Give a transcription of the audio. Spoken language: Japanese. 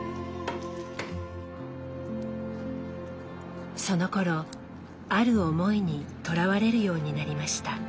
そのころある思いにとらわれるようになりました。